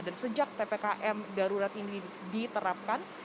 dan sejak ppkm darurat ini diterapkan